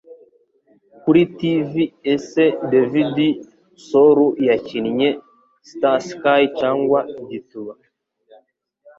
Kuri Tv Ese David Soul Yakinnye Starsky Cyangwa Igituba